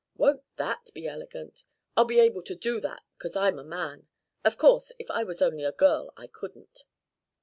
Won't that be elegant? I'll be able to do that 'cause I'm a man. Of course if I was only a girl I couldn't."